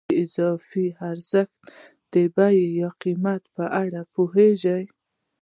د اضافي ارزښت د بیې یا قیمت په اړه پوهېږو